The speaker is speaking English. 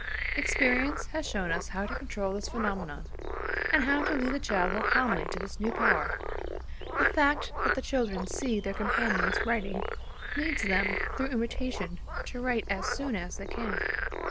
Experience has shown us how to control this phenomenon, and how to lead the child more calmly to this new power. The fact that the children see their companions writing, leads them, through imitation, to write as soon as they can.